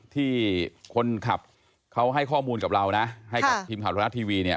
ที่คนขับเขาให้ข้อมูลกับเรานะให้กับทีมข่าวธนรัฐทีวีเนี่ย